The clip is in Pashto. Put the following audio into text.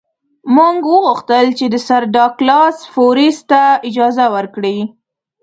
موږ وغوښتل چې سر ډاګلاس فورسیت ته اجازه ورکړي.